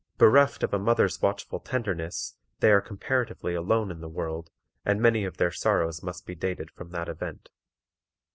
Bereft of a mother's watchful tenderness, they are comparatively alone in the world, and many of their sorrows must be dated from that event.